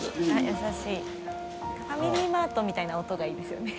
優しい。ファミリーマート」みたいな音がいいですよね。